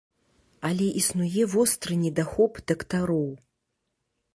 Але існуе востры недахоп дактароў.